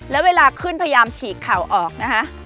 แล้วเวลาขึ้นพยายามฉีกเข่าออกนะคะ